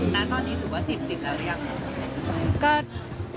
น่าส่อนนี้ถูกว่าจิบแล้วหรือยัง